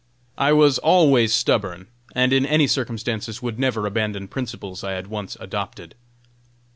I was always stubborn, and in any circumstances would never abandon principles I had once adopted.